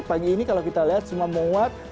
pagi ini kalau kita lihat semua menguat